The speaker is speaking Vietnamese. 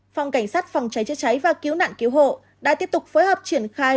phòng cảnh sát phòng cháy chữa cháy và cứu nạn cứu hộ đã tiếp tục phối hợp triển khai